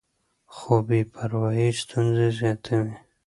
خو بې پروايي ستونزې زیاتوي.